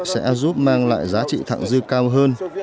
sẽ giúp mang lại giá trị thẳng dư cao hơn